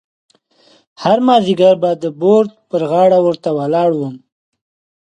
هر مازیګر به د بورد پر غاړه ورته ولاړ وم.